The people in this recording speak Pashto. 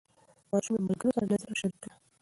ماشوم له ملګرو سره نظر شریک کړ